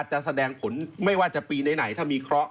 แสดงผลไม่ว่าจะปีไหนถ้ามีเคราะห